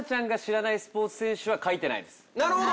なるほど！